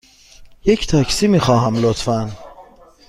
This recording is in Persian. یه تاکسی می خواهم، لطفاً.